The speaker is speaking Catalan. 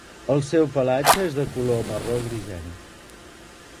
El seu pelatge és de color marró grisenc.